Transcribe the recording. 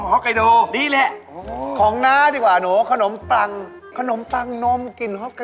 เอาไปเลยจะได้จบกันนะครับ